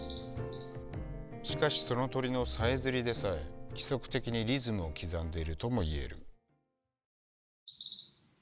しかしその鳥のさえずりでさえ規則的にリズムを刻んでいるともいえる。